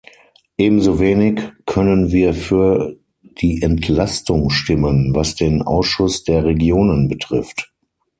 Ebenso wenig können wir für die Entlastung stimmen, was den Ausschuss der Regionen betrifft.